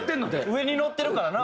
上に乗ってるからな。